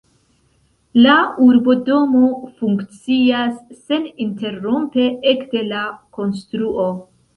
La urbodomo funkcias seninterrompe ekde la konstruo.